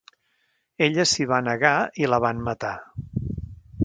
Ella s'hi va negar i la van matar.